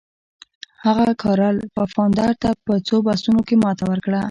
هغه کارل پفاندر ته په څو بحثونو کې ماته ورکړه.